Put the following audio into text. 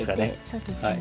そうですね。